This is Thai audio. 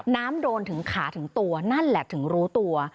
น้ำโดนถึงขาถึงตัวนั่นแหละถึงรู้ตัว